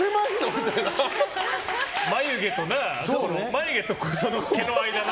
眉毛と毛の間な。